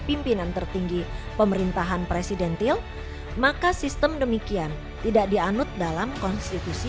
pimpinan tertinggi pemerintahan presidentil maka sistem demikian tidak dianut dalam konstitusi